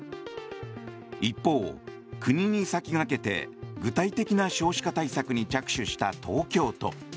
一方、国に先駆けて具体的な少子化対策に着手した東京都。